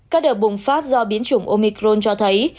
các đợt bùng phát do biến chủng omicron cho thấy